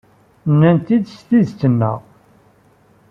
Nenna-t-id s tidet-nneɣ.